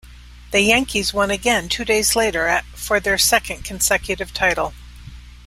The Yankees won again two days later for their second consecutive title.